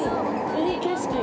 いい景色。